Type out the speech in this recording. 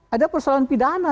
ada persoalan pidana